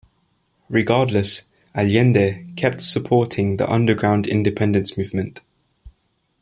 Regardless, Allende kept supporting the underground independence movement.